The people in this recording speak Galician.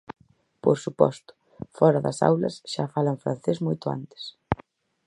"Por suposto, fóra das aulas xa falan francés moito antes".